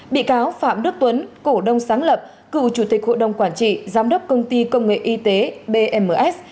bị cáo phạm đức tuấn cổ đông sáng lập cựu chủ tịch hội đồng quản trị giám đốc công ty công nghệ y tế bms